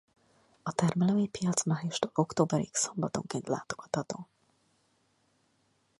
A termelői piac májustól októberig szombatonként látogatható.